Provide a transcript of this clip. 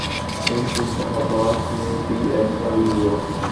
ان انتخابات میں بھی ایسا ہی ہوا۔